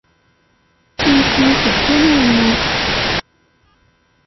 I nekkni tegguni lmut.